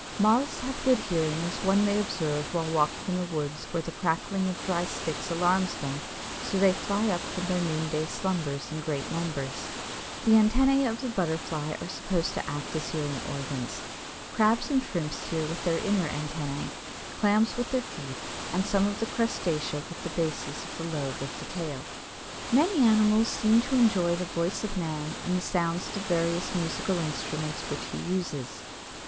Moths have good hearing as one may observe while walking in the woods where the crackling of dry sticks alarms them so they fly up from their noonday slumbers in great numbers. The antennæ of the Butterfly are supposed to act as hearing organs. Crabs and Shrimps hear with their inner antennæ, Clams with their feet, and some of the crustacea with the bases of the lobe of the tail. Many animals seem to enjoy the voice of man and the sounds of the various musical instruments which he uses.